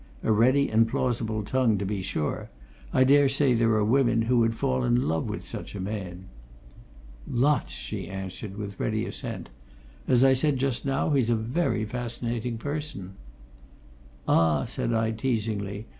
"A ready and plausible tongue, to be sure. I dare say there are women who would fall in love with such a man." "Lots!" she answered, with ready assent. "As I said just now, he's a very fascinating person." "Ah!" said I, teasingly.